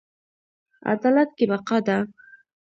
عدالت کې بقا ده